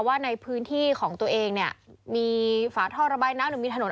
ว่าในพื้นที่ของตัวเองเนี่ยมีฝาท่อระบายน้ำหรือมีถนน